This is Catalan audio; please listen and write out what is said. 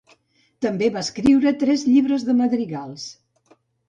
També va escriure tres llibres de madrigals.